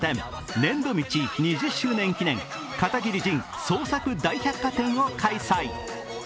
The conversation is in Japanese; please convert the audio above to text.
「粘土道２０周年記念片桐仁創作大百科展」を開催。